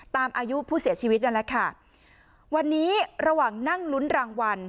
ตามอายุผู้เสียชีวิตนั่นแหละค่ะวันนี้ระหว่างนั่งลุ้นรางวัล